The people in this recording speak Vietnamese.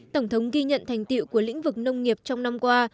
tổng thống ghi nhận thành tiệu của lĩnh vực nông nghiệp trong năm qua